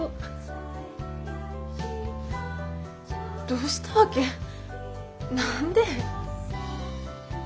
どうしたわけ？何で？